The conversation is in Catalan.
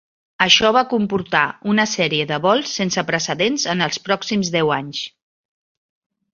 Això va comportar una sèrie de vols sense precedents en els pròxims deu anys.